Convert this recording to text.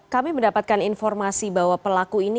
kami mendapatkan informasi bahwa pelaku ini